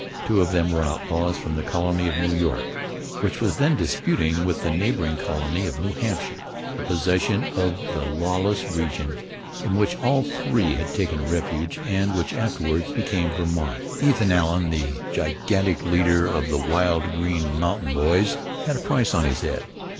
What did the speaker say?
Two of them were outlaws from the colony of New York, which was then disputing with the neighbouring colony of New Hampshire the possession of the lawless region in which all three had taken refuge and which afterwards became Vermont. Ethan Allen, the gigantic leader of the wild Green Mountain Boys, had a price on his head.